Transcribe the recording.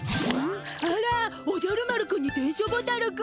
あらおじゃる丸君に電書ボタル君！